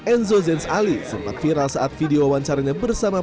enzo zenz ali sempat viral saat video wawancaranya bersama